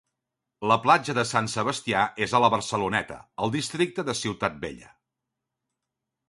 La Platja de Sant Sebastià és a la Barceloneta, al districte de Ciutat Vella.